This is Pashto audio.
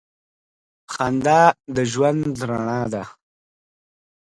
• خندا د ژوند رڼا ده.